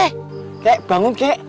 kakek bangun kakek